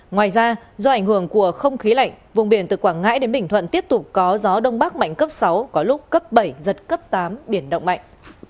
ngoài ra do ảnh hưởng của không khí lạnh vùng biển từ quảng ngãi đến bình thuận tiếp tục có gió đông bắc mạnh cấp sáu có lúc cấp bảy giật cấp tám biển động mạnh